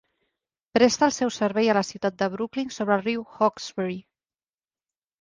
Presta el seu servei a la ciutat de Brooklyn, sobre el riu Hawkesbury.